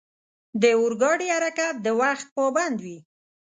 د اورګاډي حرکت د وخت پابند وي.